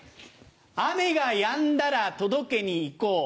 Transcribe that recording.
雨がやんだら届けに行こう。